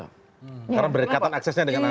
karena berikatan aksesnya dengan anak